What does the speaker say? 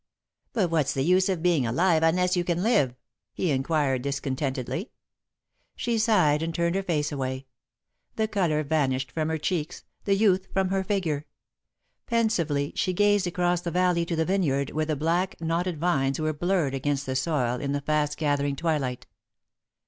"But what's the use of being alive unless you can live?" he inquired, discontentedly. She sighed and turned her face away. The colour vanished from her cheeks, the youth from her figure. Pensively, she gazed across the valley to the vineyard, where the black, knotted vines were blurred against the soil in the fast gathering twilight.